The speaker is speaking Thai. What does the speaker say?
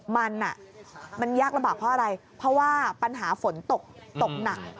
มันมันยากลำบากเพราะอะไรเพราะว่าปัญหาฝนตกตกหนัก